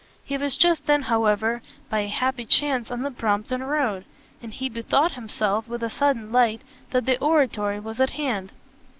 He was just then however by a happy chance in the Brompton Road, and he bethought himself with a sudden light that the Oratory was at hand.